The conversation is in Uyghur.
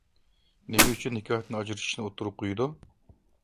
نېمە ئۈچۈن نىكاھتىن ئاجرىشىشنى ئوتتۇرىغا قويىدۇ؟